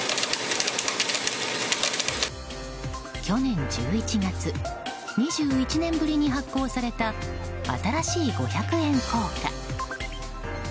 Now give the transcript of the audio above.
去年１１月２１年ぶりに発行された新しい五百円硬貨。